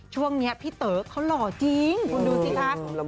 ช่วงนี้พี่เต๋อเขาหล่อจริงคุณดูสิคะ